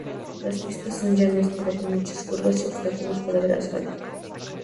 Las pistas son llanas, pero con muchas curvas y obstáculos fuera del asfalto.